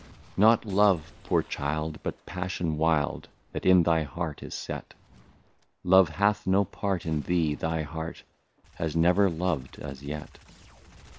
Not love, poor child, but passion wild, That in thy heart is set ; Love hath no part in thee, thy heart Has never loved as yet.